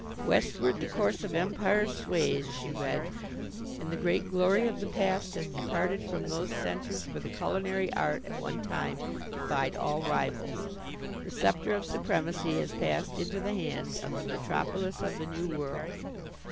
"'Westward the course of Empire sways,'" she read, "'and the great glory of the past has departed from those centers where the culinary art at one time defied all rivals. The scepter of supremacy has passed into the hands of the metropolis of the New World.'"